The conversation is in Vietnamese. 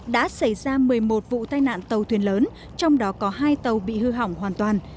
đã xảy ra một mươi một vụ tai nạn tàu thuyền lớn trong đó có hai tàu bị hư hỏng hoàn toàn